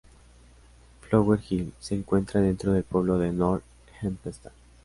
Flower Hill se encuentra dentro del pueblo de North Hempstead.